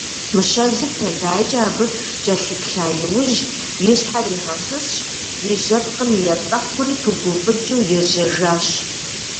Мыщэжьыр тэлайкӀэ абы кӀэлъыплъа иужь, и щхьэр игъэсысщ, и жьэпкъым етӀэхъури пыгуфӀыкӀыу ежьэжащ.